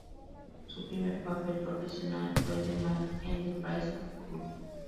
Su primer papel profesional fue el de Mark, en The Price of Coal.